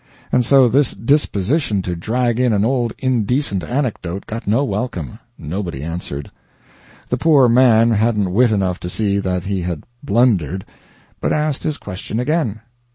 And so this disposition to drag in an old indecent anecdote got no welcome; nobody answered. The poor man hadn't wit enough to see that he had blundered, but asked his question again.